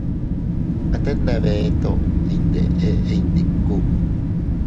Tet ndebeto iyndeʼe inñ ndiku.